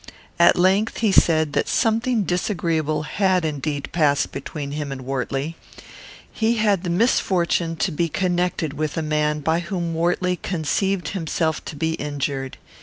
At length he said that something disagreeable had indeed passed between him and Wortley. He had had the misfortune to be connected with a man by whom Wortley conceived himself to be injured.